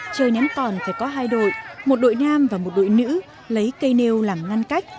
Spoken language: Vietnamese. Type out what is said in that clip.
chơi ném còn phải có hai đội một đội nam và một đội nữ lấy cây nêu làm ngăn cách